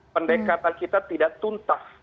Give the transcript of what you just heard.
pendekatan kita tidak tuntas